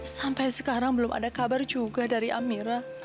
sampai sekarang belum ada kabar juga dari amira